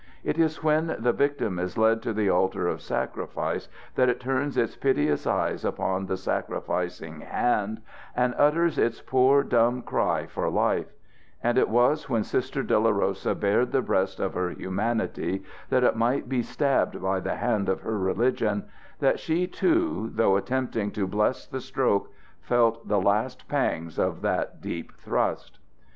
It is when the victim is led to the altar of sacrifice that it turns its piteous eyes upon the sacrificing hand and utters its poor dumb cry for life; and it was when Sister Dolorosa bared the breast of her humanity that it might be stabbed by the hand of her religion, that she, too, though attempting to bless the stroke, felt the last pangs of that deep thrust.